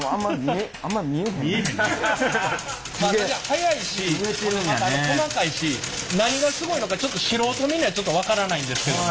速いしほんでまた細かいし何がすごいのかちょっと素人目には分からないんですけど。